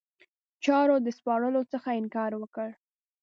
چارو د سپارلو څخه انکار وکړ.